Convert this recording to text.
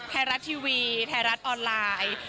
ไทยรัฐทีวีไทยรัฐออนไลน์